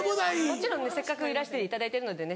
もちろんねせっかくいらしていただいてるのでね